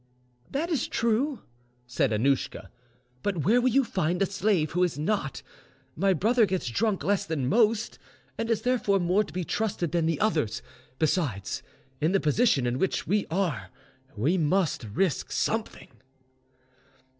"That is true," said Annouschka; "but where will you find a slave who is not? My brother gets drunk less than most, and is therefore more to be trusted than the others. Besides, in the position in which we are we must risk something."